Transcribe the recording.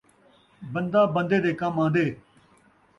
بندہ بندے دے کم آندے